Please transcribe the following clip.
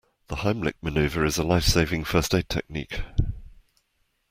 The Heimlich manoeuvre is a lifesaving first aid technique.